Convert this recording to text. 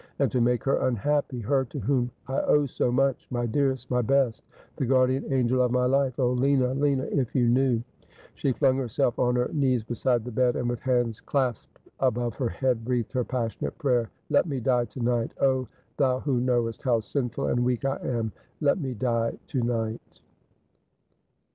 And to make her unhappy — her to whom I owe so much, my dearest, my best, the guardian angel of my life. Oh, Lina, Lina, if you knew !' She flung herself on her knees beside the bed, and, with hands clasped above her head, breathed her passionate prayer :' Let me die to night. Oh, Thou who knovvest how sinful and weak I am, let me die to night